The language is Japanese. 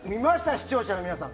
視聴者の皆さん。